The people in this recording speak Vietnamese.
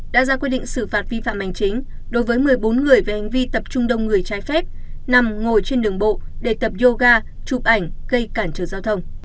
định xử phạt vi phạm hành chính đối với một mươi bốn người về hành vi tập trung đông người trái phép nằm ngồi trên đường bộ để tập yoga chụp ảnh gây can trở giao thông